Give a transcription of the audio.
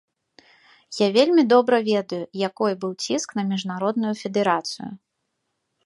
Я вельмі добра ведаю, якой быў ціск на міжнародную федэрацыю.